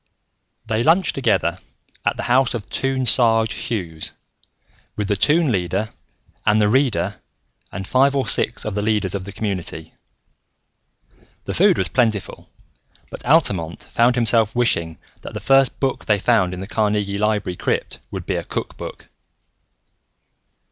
V They lunched together at the house of Toon Sarge Hughes with the Toon Leader and the Reader and five or six of the leaders of the community. The food was plentiful, but Altamont found himself wishing that the first book they found in the Carnegie Library crypt would be a cook book.